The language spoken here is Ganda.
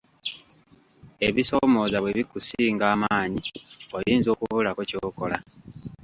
Ebisoomooza bwe bikusinga amaanyi oyinza okubulako ky'okola.